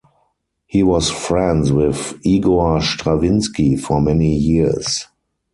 He was friends with Igor Stravinsky for many years.